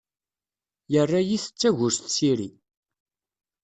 Yerra-iyi-t d tagust s iri.